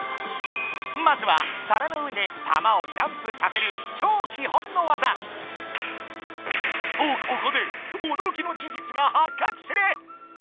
まずは皿の上で玉をジャンプさせる超基本の技。とここでおどろきの事実が発覚する。